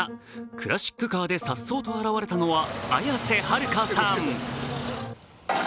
クラシックカーでさっそうと現れたのは綾瀬はるかさん。